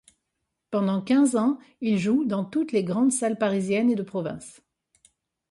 Pendant quinze ans, il joue dans toutes les grandes salles parisiennes et de province.